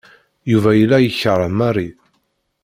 Yuba yella yekreh Mary.